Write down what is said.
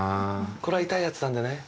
これは痛いやつなんだね。